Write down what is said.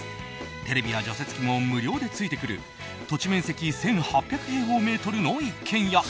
テレビや除雪機も無料でついてくる土地面積１８００平方メートルの一軒家。